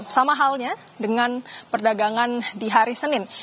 sama halnya dengan perdagangan di hari senin